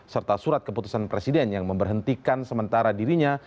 serta surat keputusan presiden yang memberhentikan sementara dirinya